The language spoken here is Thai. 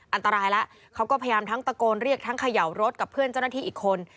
อันตรายแล้วเขาก็พยายามทั้งตะโกนเรียกทั้งเขย่ารถกับเพื่อนเจ้าหน้าที่อีกคน